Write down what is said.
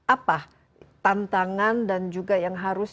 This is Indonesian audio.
apa tantangan dan juga yang harus